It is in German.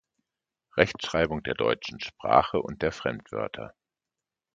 Rechtschreibung der deutschen Sprache und der Fremdwörter.